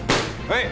はい！